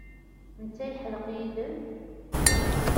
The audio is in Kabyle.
Netta yeḥdeq yid-m?